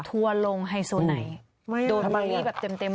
ถั่วลงไฮสุนัยไม่อ่ะโดนวงวิแบบเต็มเต็ม